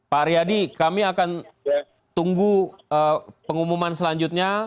pak aryadi kami akan tunggu pengumuman selanjutnya